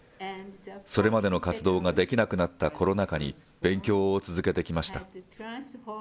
それまでの活動ができなくなったコロナ禍に、勉強を続けてきました。